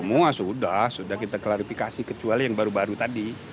semua sudah sudah kita klarifikasi kecuali yang baru baru tadi